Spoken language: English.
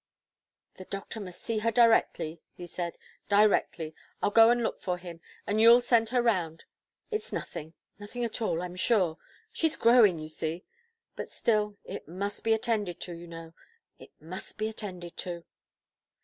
"The doctor must see her directly," he said, "directly. I'll go and look for him, and you'll send her round. It's nothing nothing at all, I am sure; she's growing, you see. But still, it must be attended to, you know it must be attended to."